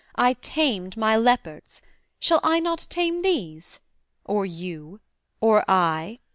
I tamed my leopards: shall I not tame these? Or you? or I?